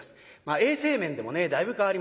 衛生面でもねだいぶ変わりました。